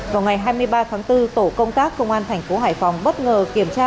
vào ngày hai mươi ba tháng bốn tổ công tác công an tp hải phòng bất ngờ kiểm tra